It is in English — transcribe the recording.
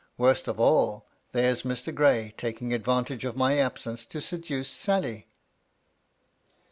Worst of all, there's Mr. Gray taking advantage of my absence to seduce Sally !"